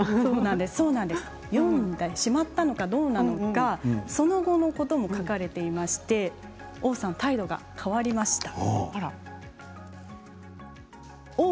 読んでしまったのかどうなのかその後のことも書かれていましてＯさん、態度が変わりました。